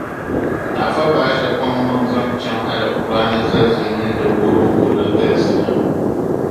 Afa Basha kpaŋ maŋa zaŋ chaŋ Alikuraani zalisi mini di wuhibu polo galsiya.